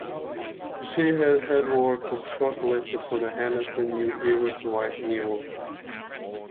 She has had work short listed for the Hennessy New Irish Writing Awards.